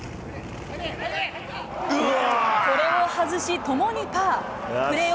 これを外し、ともにパー。